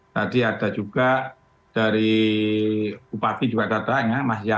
tadi ada juga dari bupati juga datang ya